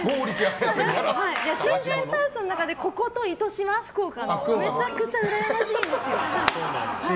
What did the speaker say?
親善大使の中でここと福岡の糸島がめちゃくちゃうらやましいんですよ。